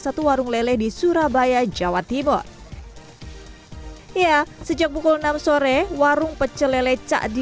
satu warung lele di surabaya jawa timur ya sejak pukul enam sore warung pecelele cak di